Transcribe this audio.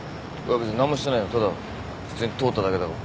別に何もしてないよただ普通に通っただけだろ。